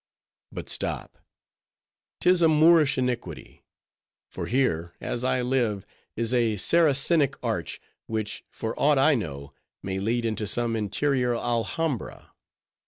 —But stop! 'tis a Moorish iniquity; for here, as I live, is a Saracenic arch; which, for aught I know, may lead into some interior Alhambra.